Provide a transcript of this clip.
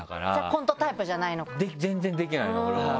全然できないの俺は。